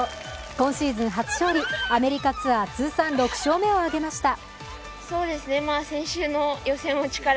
今シーズン初勝利、アメリカツアー通算６勝目を挙げました。